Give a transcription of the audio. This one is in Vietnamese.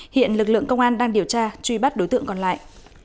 hiện lực lượng công an đang điều tra truy bắt đối tượng còn lại